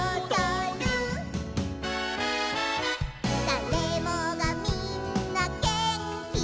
「だれもがみんなげんき」